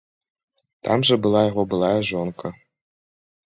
Там жа была яго былая жонка.